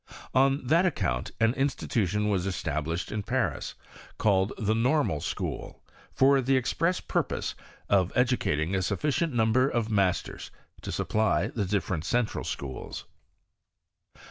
On tiiat account, an institution was established in Paris, called the Normal School, for the express purpose of educating a sufficient number of mastenei to supply the different central schools.